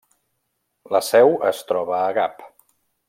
La seu es troba a Gap.